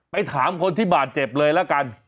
ไปถามคนที่บาดเจ็บเลยละกัน